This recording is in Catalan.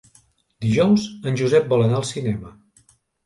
Dijous en Josep vol anar al cinema.